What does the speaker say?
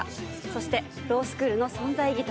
そしてロースクールの存在意義とは？